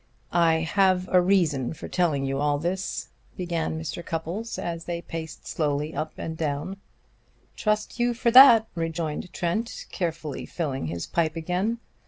"I have a reason for telling you all this," began Mr. Cupples as they paced slowly up and down. "Trust you for that," rejoined Trent, carefully filling his pipe again.